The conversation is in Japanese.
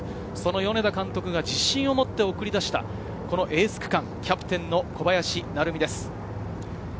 米田監督が自信を持って送り出したエース区間、キャプテンの小林成美です。